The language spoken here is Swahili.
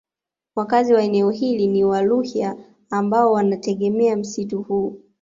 Wakaazi wa eneo hili ni Waluhya ambao wanategemea msitu huu